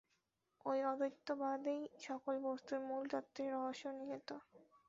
এই অদ্বৈতবাদেই সকল বস্তুর মূলতত্ত্বের রহস্য নিহিত।